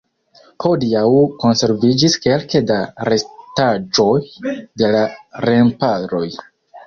Hodiaŭ konserviĝis kelke da restaĵoj de la remparoj.